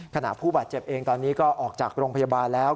ผู้บาดเจ็บเองตอนนี้ก็ออกจากโรงพยาบาลแล้ว